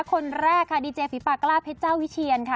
คนแรกค่ะดีเจฝีปากกล้าเพชรเจ้าวิเชียนค่ะ